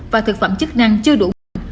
và thực phẩm chức năng chưa đủ nguồn